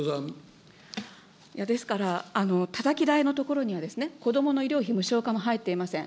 ですから、たたき台のところには、子どもの医療費無償化も入っていません。